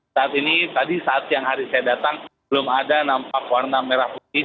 saat ini tadi saat siang hari saya datang belum ada nampak warna merah putih